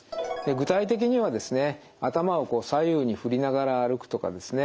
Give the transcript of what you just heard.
具体的にはですね頭を左右に振りながら歩くとかですね